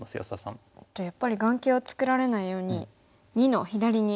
じゃあやっぱり眼形を作られないように②の左に。